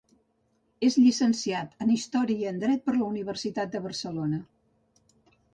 És llicenciat en Història i en Dret per la Universitat de Barcelona.